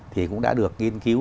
thì cũng đã được nghiên cứu